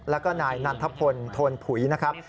แล้วก็นายนันทพลโทนผุยนะครับ